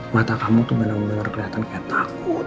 mata kamu tuh benar benar kelihatan kayak takut